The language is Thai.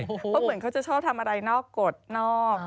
เพราะเหมือนเขาจะชอบทำอะไรนอกกฎนอก